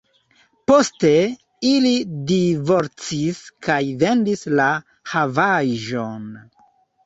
Poste ili divorcis kaj vendis la havaĵon.